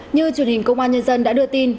như truyền hình công an nhân dân đã đưa tin